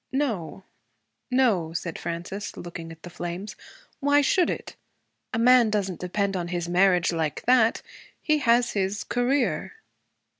'No, no,' said Frances, looking at the flames. 'Why should it? A man does n't depend on his marriage like that. He has his career.'